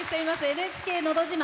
「ＮＨＫのど自慢」。